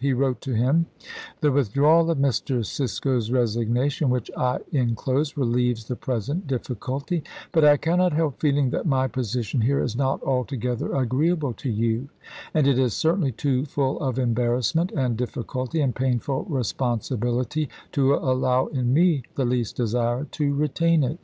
He wrote to him: The withdrawal of Mr. Cisco's resignation, which I in close, relieves the present difficulty ; but I cannot help feeling that my position here is not altogether agreeable to you, and it is certainly too full of embarrassment and difficulty and painful responsibility to allow in me the least desire to retain it.